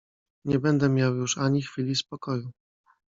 "Nie będę miał już ani chwili spokoju."